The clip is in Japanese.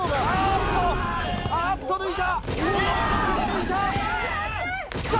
あーっと抜いた！